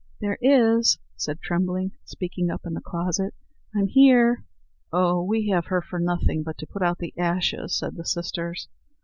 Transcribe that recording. "There is," said Trembling, speaking up in the closet; "I'm here." "Oh! we have her for nothing but to put out the ashes," said the sisters.